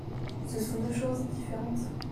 Ce sont deux choses différentes.